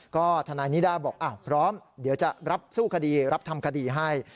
ก็ทนายนิด้าบอกพร้อมเดี๋ยวจะรับสู้คดีรับทำคดีให้